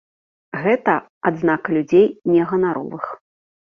Гэта адзнака людзей не ганаровых.